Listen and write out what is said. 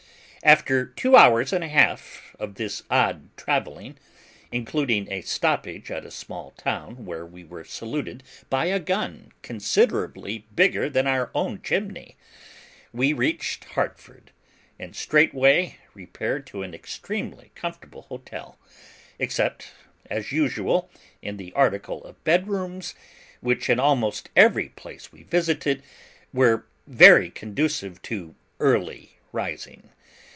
After two hours and a half of this odd travelling (including a stoppage at a small town, where we were saluted by a gun considerably bigger than our own chimney), we reached Hartford, and straightway repaired to an extremely comfortable hotel: except, as usual, in the article of bedrooms, which, in almost every place we visited, were very conducive to early rising.